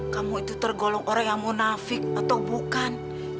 kamu itu tergolong orang yang munafik atau bukan